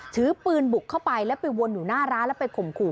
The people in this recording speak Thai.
ถือปืนบุกเข้าไปแล้วไปวนอยู่หน้าร้านแล้วไปข่มขู่